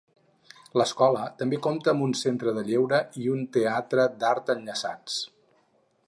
L'escola també compta amb un centre de lleure i un teatre d'art enllaçats.